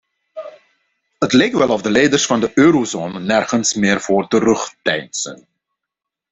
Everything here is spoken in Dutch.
Het lijkt wel of de leiders van de eurozone nergens meer voor terugdeinzen.